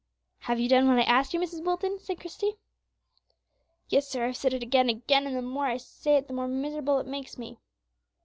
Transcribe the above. "Have you done what I asked you, Mrs. Wilson?" said Christie. "Yes, sir, I've said it again and again, and the more I say it the more miserable it makes me."